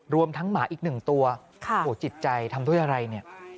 รวมทั้งหมาอีกหนึ่งตัวจิตใจทำด้วยอะไรเนี่ย